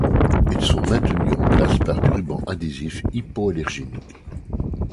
Ils sont maintenus en place par du ruban adhésif hypoallergénique.